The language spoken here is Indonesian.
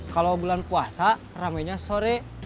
kalau bulan puasa rame nya sore